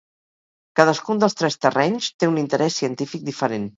Cadascun dels tres terrenys té un interès científic diferent.